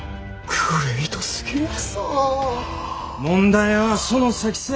問題はその先さ。